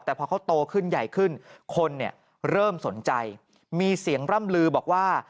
แต่พอเขาโตขึ้นใหญ่ขึ้นคนเนี่ยเริ่มสนใจมีเสียงร่ำลือบอกว่า